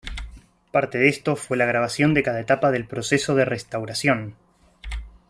Parte de esto fue la grabación de cada etapa del proceso de restauración.